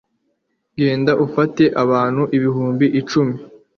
genda ufate abantu ibihumbi cumi